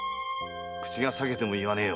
口が裂けても言わねえよ。